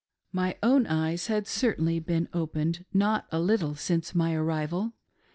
387 My own eyes had certainly been opened not a little since my arrival.